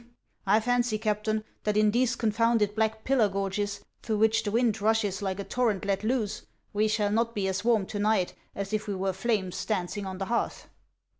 I fancy, Captain, that in these confounded Black Pillar gorges, through which the wind rushes like a torrent let loose, we shall not be as warm to night as if we were flames dancing on the hearth."